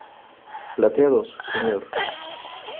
plateados, señor.